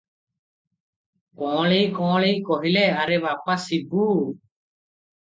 କଅଁଳେଇ କଅଁଳେଇ କହିଲେ, "ଆରେ ବାପା ଶିବୁ!